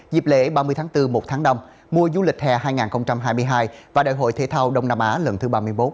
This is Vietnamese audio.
dịp lễ ba mươi tháng bốn một tháng năm mùa du lịch hè hai nghìn hai mươi hai và đại hội thể thao đông nam á lần thứ ba mươi một